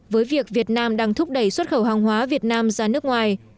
với việc việt nam đang thúc đẩy xuất khẩu hàng hóa việt nam ra nước ngoài